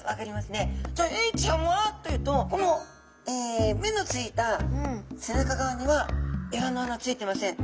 じゃあエイちゃんはというとこの目のついた背中側にはエラの穴ついてません。